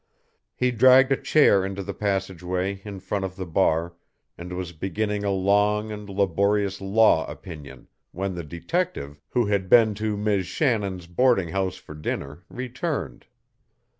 He dragged a chair into the passageway in front of the bar and was beginning a long and laborious law opinion when the detective, who had been to Mis' Shannon's boarding house for dinner, returned.